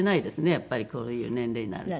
やっぱりこういう年齢になると。